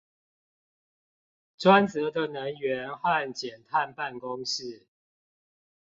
專責的能源和減碳辦公室